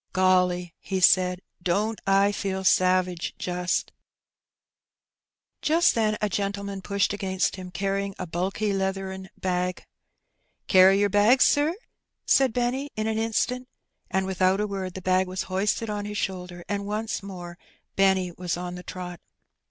'' Golly/' he said, " don't I feel savage, jnst !" Jast then a gentleman pushed against him^ carrying a bulky leathern bag. "Carry yer bag, sir?" said Benny in an instant; and, without a word, the bag was hoisted on his shoulder, and once more Benny was on the trot.